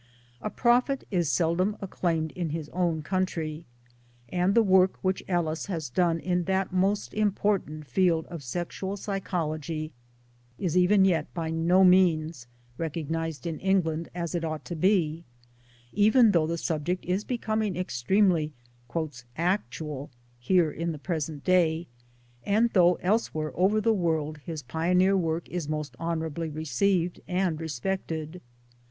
A prophet is seldom acclaimed in his own country ; and the work which Ellis has done in that most important field of Sexual Psychology is even yet by no means recog nized in England' as it ought to be even though the subject is becoming extremely ' actual ' here in the present day, and 1 though elsewhere over the world his pioneer work is most honorably received and respected.